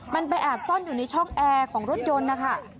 มันไปแอบซ่อนอยู่ในช่องแอร์ของรถยนต์นะคะ